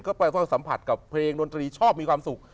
ก็ไปเฝ้าสัมผัสกับเพลงดนตรีชอบมีความสุข